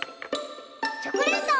チョコレート！